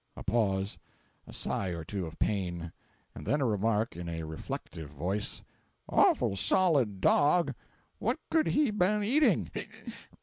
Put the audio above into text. A pause; a sigh or two of pain, and then a remark in a reflective voice: "Awful solid dog. What could he ben eating?